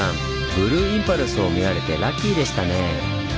ブルーインパルスを見られてラッキーでしたね！